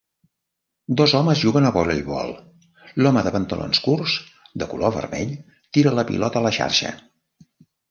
Dos homes juguen a voleibol, l'home de pantalons curts de color vermell tira la pilota a la xarxa.